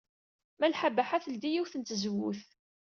Malḥa Baḥa teldey yiwet n tzewwut.